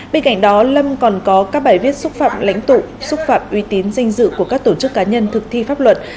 bên cạnh đó lâm còn có các bài viết xúc phạm lãnh tụ xúc phạm uy tín danh dự của các tổ chức cá nhân thực thi pháp luật